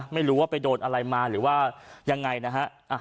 ไม่รู้ว่าไปโดนอะไรมาหรือว่ายังไงนะฮะ